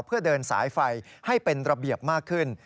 เพื่อเดินสายไฟให้เป็นระเบียบมากขึ้น